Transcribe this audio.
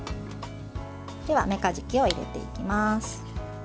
では、めかじきを入れていきます。